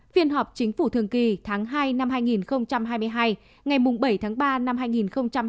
hai mươi năm phiên họp chính phủ thường kỳ tháng hai năm hai nghìn hai mươi hai ngày bảy tháng ba năm hai nghìn hai mươi hai